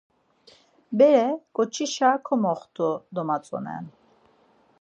Bere ǩoçişa komoxtu domatzonen.